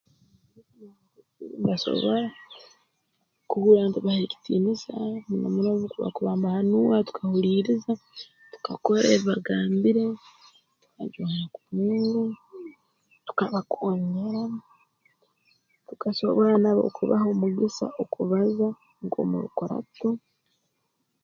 [unintelligible] mbasobora kuhurra ntubaha ekitiinisa muno muno obu bakuba mbahanuura tukahuliiriza tukakora ebi bagambire tukajwara kurungi tukabakoonyera tukasobora nabo kubaha omugisa akubaza nk'omu rukurato